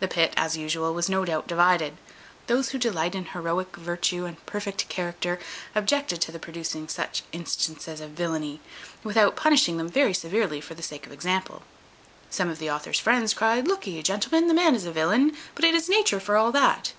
The pit, as usual, was no doubt divided; those who delight in heroic virtue and perfect character objected to the producing such instances of villany, without punishing them very severely for the sake of example. Some of the author's friends cryed, "Look'e, gentlemen, the man is a villain, but it is nature for all that."